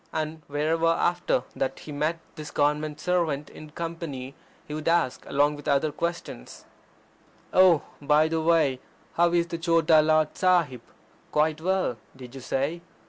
And wherever after that he met this Government servant in company he would ask, along with other questions: "Oh! er by the way, how is the Chota Lord Sahib? Quite well, did you say?